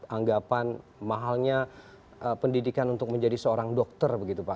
anggapan mahalnya pendidikan untuk menjadi seorang dokter begitu pak